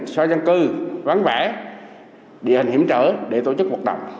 xã dân cư ván vẽ địa hình hiểm trở để tổ chức cuộc đọc